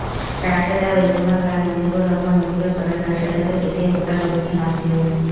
রাশেদা বেগমের ভাই মজিবর রহমান অভিযোগ করেন, রাশেদাকে পিটিয়ে হত্যা করেছেন আজিজুল।